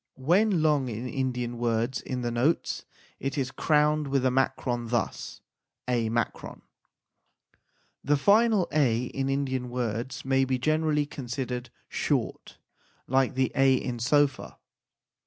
When long in Indian words in the notes, it is crowned with a makron, thus a. The final a in Indian words may be generally considered short, like the a in sofa.